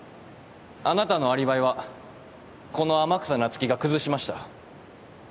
あなたのアリバイはこの天草那月が崩しました。